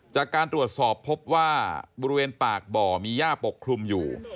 จากการตรวจสอบพบว่าบริเวณปากบ่อมีย่าปกคลุมอยู่